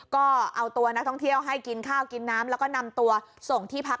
ก็เอาตัวนักท่องเที่ยวให้กินข้าวกินน้ำแล้วก็นำตัวส่งที่พัก